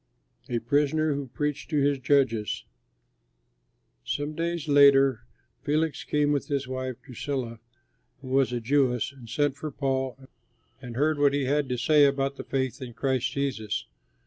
A PRISONER WHO PREACHED TO HIS JUDGES Some days later Felix came with his wife, Drusilla, who was a Jewess, and sent for Paul and heard what he had to say about the faith in Christ Jesus.